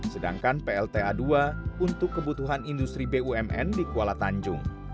sedangkan plta dua untuk kebutuhan industri bumn di kuala tanjung